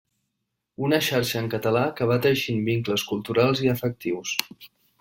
Una xarxa en català que va teixint vincles culturals i afectius.